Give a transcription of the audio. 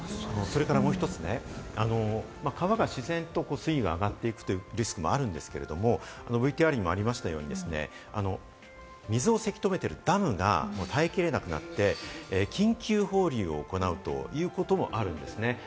それからもう１つ、川が自然と水位が上がっていくリスクもあるんですけれども、ＶＴＲにもありましたように、水をせき止めているダムが耐えきれなくなって緊急放流を行うということもあるんですね。